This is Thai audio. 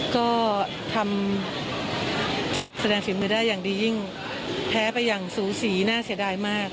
ก็ทำแสดงฝีมือได้อย่างดียิ่งแพ้ไปอย่างสูสีน่าเสียดายมาก